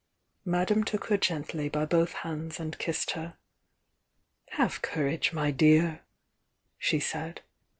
^^Madame took her gently by both hands and kissed "Have courage, my dear!" she said.